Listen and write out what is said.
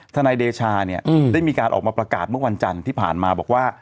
นายเดชาเนี่ยได้มีการออกมาประกาศเมื่อวันจันทร์ที่ผ่านมาบอกว่า